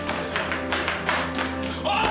おい！